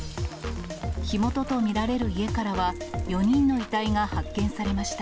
火元と見られる家からは、４人の遺体が発見されました。